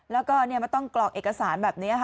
แล้วก็ไม่ต้องกรอกเอกสารแบบนี้